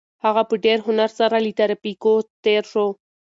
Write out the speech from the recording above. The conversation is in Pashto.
هغه په ډېر هنر سره له ترافیکو تېر شو.